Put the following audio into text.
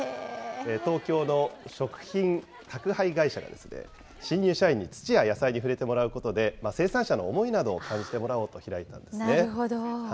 東京の食品宅配会社がですね、新入社員に土や野菜に触れてもらうことで、生産者の思いなどを感なるほど。